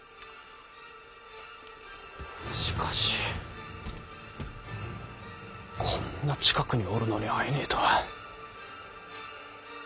しかしこんな近くにおるのに会えねぇとは。